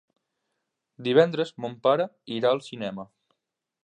Divendres mon pare irà al cinema.